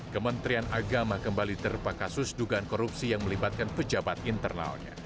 kementerian agama kembali terpaka kasus dugaan korupsi yang melibatkan pejabat internalnya